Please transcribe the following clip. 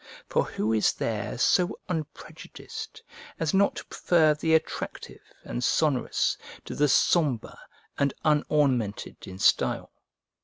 For who is there so unprejudiced as not to prefer the attractive and sonorous to the sombre and unornamented in style?